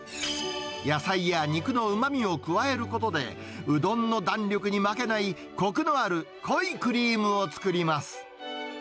野菜や肉のうまみを加えることで、うどんの弾力に負けない、こくのある濃いクリームを作ります。